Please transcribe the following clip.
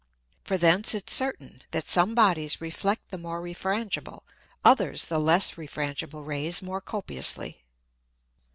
For thence it's certain, that some Bodies reflect the more refrangible, others the less refrangible Rays more copiously.